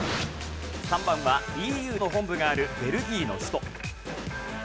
３番はＥＵの本部があるベルギーの首都。